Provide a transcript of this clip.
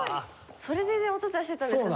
それで音出してたんですか？